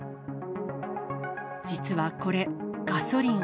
実はこれ、ガソリン。